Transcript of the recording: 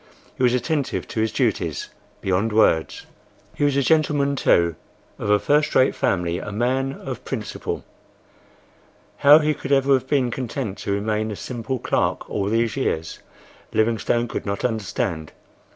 He was attentive to his duties, beyond words. He was a gentleman, too,—of a first rate family—a man of principle. How he could ever have been content to remain a simple clerk all these years, Livingstone could not understand.